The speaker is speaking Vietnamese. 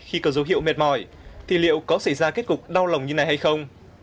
khi có dấu hiệu mệt mỏi thì liệu có xảy ra kết cục đau lòng như này hay không